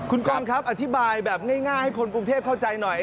คุณกรครับอธิบายแบบง่ายให้คนกรุงเทพเข้าใจหน่อย